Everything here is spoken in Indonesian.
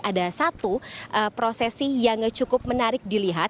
ada satu prosesi yang cukup menarik dilihat